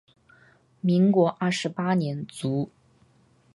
民国二十八年卒。